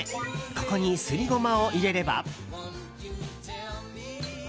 ここに、すりゴマを入れれば。